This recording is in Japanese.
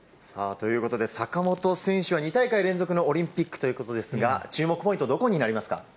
さあ、ということで、坂本選手は２大会連続のオリンピックということですが、注目ポイント、どこになりますか？